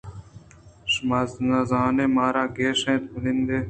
شُما زاناں مارا کُش اِت ءُ نندئے؟